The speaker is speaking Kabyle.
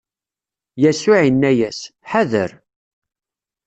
Yasuɛ inna-as: Ḥader!